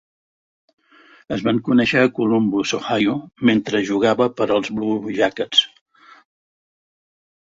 Es van conèixer a Columbus, Ohio mentre jugava per als Blue Jackets.